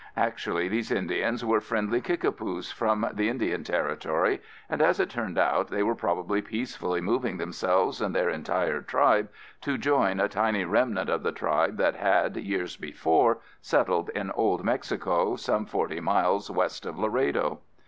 Actually these Indians were friendly Kickapoos from the Indian Territory, and as it turned out, they were probably peacefully moving themselves and their entire tribe to join a tiny remnant of the tribe that had, years before, settled in Old Mexico, some forty miles west of Laredo.